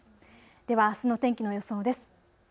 では、あすの天気の予想です。